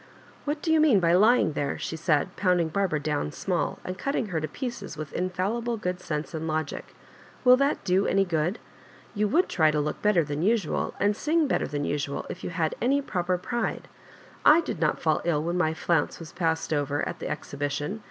" What do you mean by lying there ?" she said, pounding Barbara down small and cutting her to pieces with in&llible good sense and logic; will that do any good ? You would try to look better than usual, and sing better than usual, if you had any proper pride. / did not &11 ill when my flounce was passed over at the exhibition.